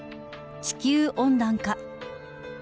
地球温暖化。